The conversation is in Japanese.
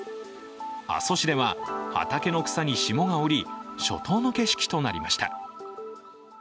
阿蘇市では畑の草に霜が降り、初冬の景色となりました。